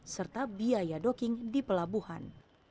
serta biaya doking di pelabuhan